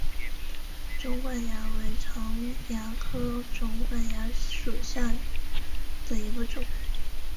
肿管蚜为常蚜科肿管蚜属下的一个种。